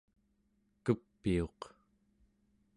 kepiuq